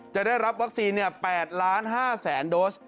จะได้รับวัคซีน๘๕๐๐๐โดส